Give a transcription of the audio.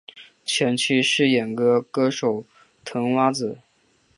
前妻是演歌歌手藤圭子。